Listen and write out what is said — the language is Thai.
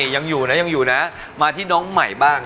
ยังอยู่นะยังอยู่นะมาที่น้องใหม่บ้าง